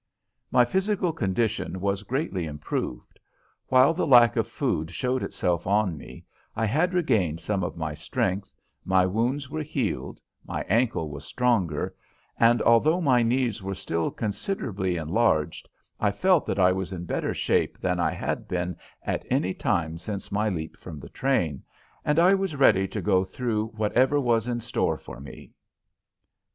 My physical condition was greatly improved. While the lack of food showed itself on me, I had regained some of my strength, my wounds were healed, my ankle was stronger, and, although my knees were still considerably enlarged, I felt that I was in better shape than I had been at any time since my leap from the train, and I was ready to go through whatever was in store for me.